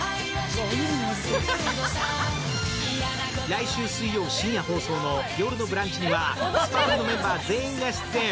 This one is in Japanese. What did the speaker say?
来週水曜深夜放送「よるのブランチ」にはスパフルメンバーの全員が出演。